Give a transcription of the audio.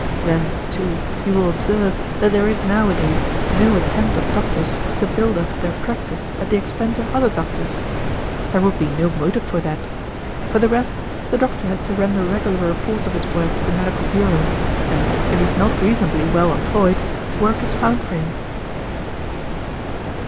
Then, too, you will observe that there is nowadays no attempt of doctors to build up their practice at the expense of other doctors. There would be no motive for that. For the rest, the doctor has to render regular reports of his work to the medical bureau, and if he is not reasonably well employed, work is found for him."